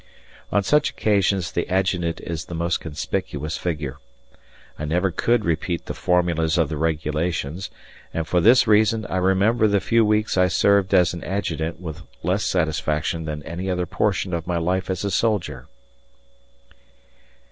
On such occasions the adjutant is the most conspicuous figure. I never could repeat the formulas of the regulations, and for this reason I remember the few weeks I served as an adjutant with less satisfaction than any other portion of my life as a soldier.